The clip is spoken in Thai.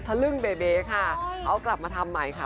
ลึ่งเบเบค่ะเขากลับมาทำใหม่ค่ะ